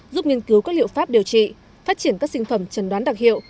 giúp nghiên cứu các liệu pháp điều trị phát triển các sinh phẩm trần đoán đặc hiệu